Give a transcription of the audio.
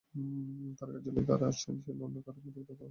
তাঁর কার্যালয়ে কারা আসছেন, সেটা অন্য কারও মাথাব্যথার কারণ হতে পারে না।